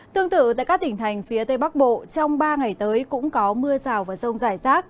tương tự tại các tỉnh thành phía tây bắc bộ trong ba ngày tới cũng có mưa rào và rông rải rác